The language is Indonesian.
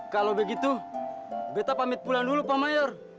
kalau begitu beta pamit pulang dulu pak mayor